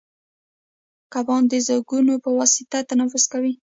کبان د زګونو په واسطه تنفس کوي